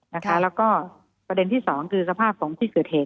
แล้วก็ประเด็นที่สองคือสภาพของที่เกิดเหตุ